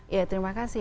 ya terima kasih